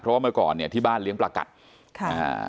เพราะว่าเมื่อก่อนเนี้ยที่บ้านเลี้ยงปลากัดค่ะอ่า